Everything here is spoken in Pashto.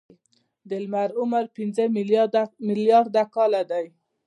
د لمر عمر پنځه ملیارده کاله دی.